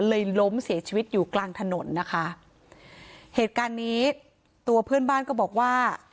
ล้มเสียชีวิตอยู่กลางถนนนะคะเหตุการณ์นี้ตัวเพื่อนบ้านก็บอกว่า